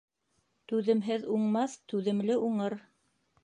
Түҙемһеҙ уңмаҫ, түҙемле уңыр.